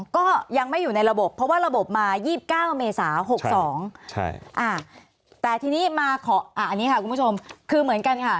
ก็ยังไม่อยู่ในระบบเพราะว่าระบบมา๒๙เมษา๖๒แต่ทีนี้มาขออันนี้ค่ะคุณผู้ชมคือเหมือนกันค่ะ